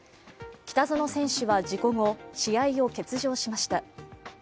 北園選手は事故後、試合を欠場しました。